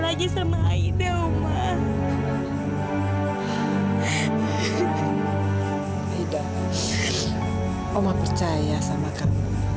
tak ada orang masyarakat